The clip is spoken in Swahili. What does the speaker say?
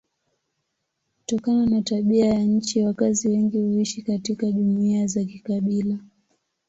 Kutokana na tabia ya nchi wakazi wengi huishi katika jumuiya za kikabila.